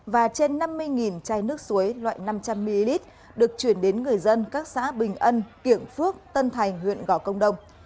và trên năm mươi chai nước suối loại năm trăm linh ml được chuyển đến người dân các xã bình ân kiểng phước tân thành huyện gò công đông